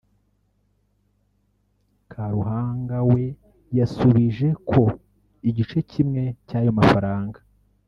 Karuhanga we yasubije ko igice kimwe cy’ayo mafaranga